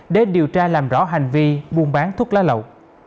để điều tra làm rõ hành vi buôn bán thuốc lá lậu